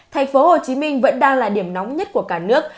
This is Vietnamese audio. thành phố hồ chí minh vẫn đang là điểm nóng nhất của cả nước